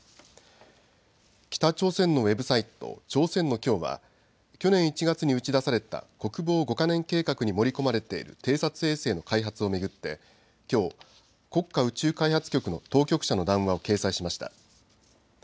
北朝鮮のウェブサイト、朝鮮の今日は去年１月に打ち出された国防５か年計画に盛り込まれている偵察衛星の開発を巡ってきょう、国家宇宙開発局の当局者の談話を掲載しました。